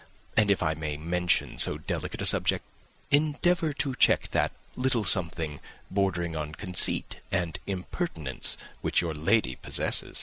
And, if I may mention so delicate a subject, endeavour to check that little something, bordering on conceit and impertinence, which your lady possesses."